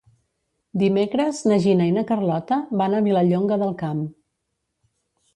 Dimecres na Gina i na Carlota van a Vilallonga del Camp.